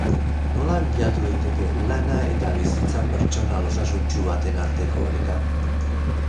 Nola bilatu daiteke lana eta bizitza pertsonal osasuntsu baten arteko oreka?